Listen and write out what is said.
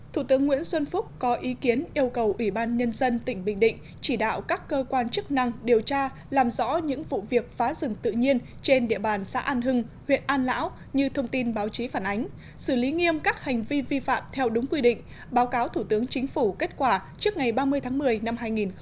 thủ tướng nguyễn xuân phúc có ý kiến yêu cầu ủy ban nhân dân tỉnh bình định chỉ đạo các cơ quan chức năng điều tra làm rõ những vụ việc phá rừng tự nhiên trên địa bàn xã an hưng huyện an lão như thông tin báo chí phản ánh xử lý nghiêm các hành vi vi phạm theo đúng quy định báo cáo thủ tướng chính phủ kết quả trước ngày ba mươi tháng một mươi năm hai nghìn một mươi chín